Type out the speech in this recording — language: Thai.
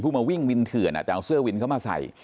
มาวิ่งวินเถื่อนจะเอาเสื้อวินเขามาใส่